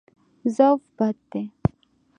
ضعف بد دی.